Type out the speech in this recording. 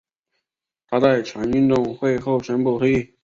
她在全运会后宣布退役。